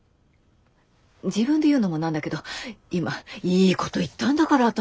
自分で言うのもなんだけど今いいこと言ったんだから私。